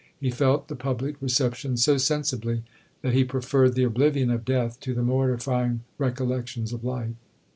He felt the public reception so sensibly, that he preferred the oblivion of death to the mortifying recollections of life.